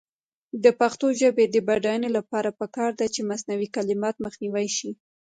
د پښتو ژبې د بډاینې لپاره پکار ده چې مصنوعي کلمات مخنیوی شي.